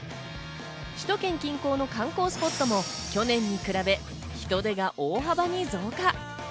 首都圏近郊の観光スポットも去年に比べ、人出が大幅に増加。